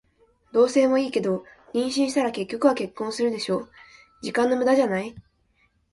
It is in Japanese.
同棲もいいけど、妊娠したら結局は結婚するでしょ。時間の無駄じゃない？